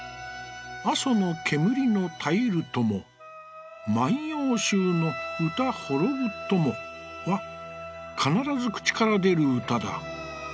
阿蘇の煙の絶ゆるとも萬葉集の歌ほろぶとも』は、かならず口から出る歌だ。